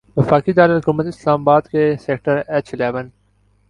وفاقی دارالحکومت اسلام آباد کے سیکٹر ایچ الیون